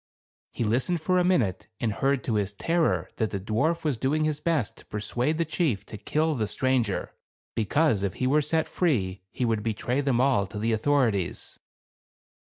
He listened for a minute, and heard to his terror, that the dwarf v r as doing his best to persuade the chief to kill the stranger; because if he were set free, he would betray them all to the authorities.